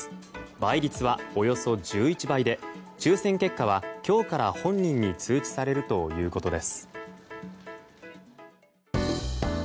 倍率はおよそ１１倍で抽選結果は今日から本人に通知されるということです。